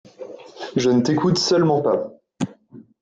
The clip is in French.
Je ne t’écoute seulement pas.